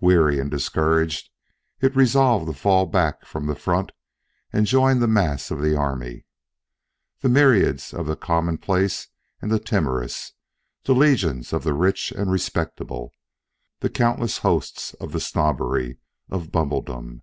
Weary and discouraged, it resolved to fall back from the front and join the mass of the army, the myriads of the commonplace and the timorous, the legions of the rich and respectable, the countless hosts of the snobbery of Bumbledom.